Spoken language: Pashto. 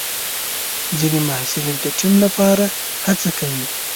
ځینې محصلین د ټیم لپاره هڅه کوي.